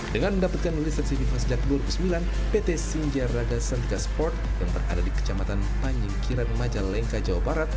dengan mendapatkan lisensi fifa sejak dua ribu sembilan pt sinjarada sentika sport yang berada di kecamatan panjimkiran majalengka jawa barat